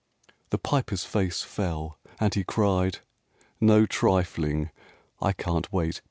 X The Piper's face fell, and he cried, "No trifling! I can't wait!